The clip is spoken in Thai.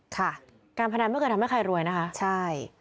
ค่ะการพนันไม่เคยทำให้ใครรวยนะคะใช่